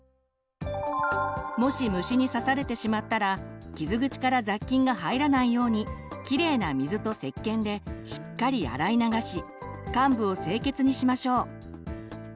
もし虫に刺されてしまったら傷口から雑菌が入らないようにきれいな水とせっけんでしっかり洗い流し患部を清潔にしましょう。